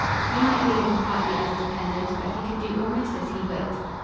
He might be living partly as a dependent, but he could do almost as he willed.